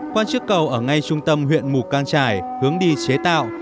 quan chức cầu ở ngay trung tâm huyện mù căng trải hướng đi chế tạo